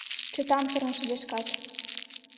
Чытамсырын шыдешкат: